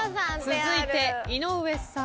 続いて井上さん。